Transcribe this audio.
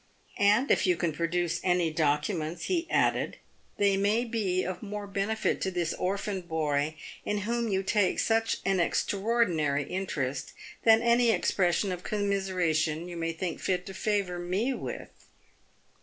" And if you can produce any documents," he added, " they may be of more benefit to this orphan boy — in whom you take such an extraordinary interest — than any expression of com miseration you may think fit to favour me with."